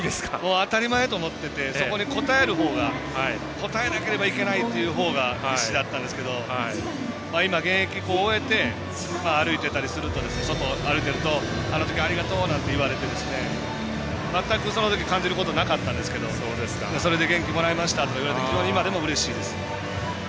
当たり前と思っててそこに応える方が応えなければいけないという方が必死だったんですけど今は現役を終えて外、歩いていたりするとあの時ありがとう！なんて言われて全くその時感じることがなかったんですけど、それで元気もらいましたとか言われたら非常に今でもうれしいです。